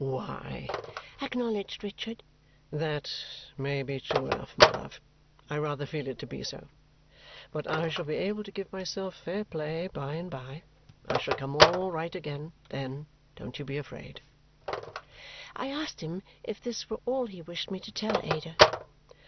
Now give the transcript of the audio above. "Why," acknowledged Richard, "that may be true enough, my love. I rather feel it to be so. But I shall be able to give myself fair play by and by. I shall come all right again, then, don't you be afraid." I asked him if this were all he wished me to tell Ada.